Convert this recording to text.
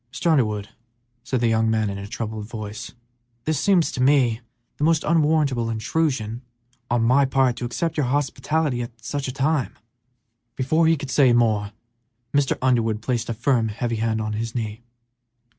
"Mr. Underwood," said the young man, in a troubled voice, "this seems to me the most unwarrantable intrusion on my part to accept your hospitality at such a time " Before he could say more, Mr. Underwood placed a firm, heavy hand on his knee.